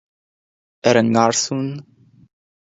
Ar an ngarsún